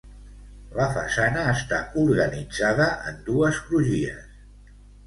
La façana està organitzada en dues crugies.